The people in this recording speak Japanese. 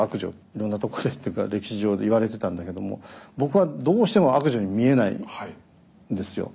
いろんなとこでっていうか歴史上でいわれてたんだけども僕はどうしても悪女に見えないんですよ。